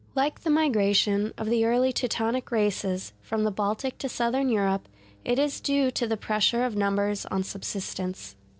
Like the migration of the early Teutonic races from the Baltic to Southern Europe, it is due to the pressure of numbers on subsistence.